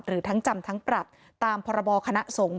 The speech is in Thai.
หรือทั้งจำทั้งปรับตามพรบคณะสงฆ์